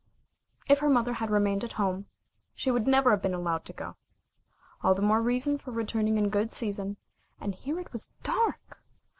If her mother had remained at home, she would never have been allowed to go. All the more reason for returning in good season, and here it was dark!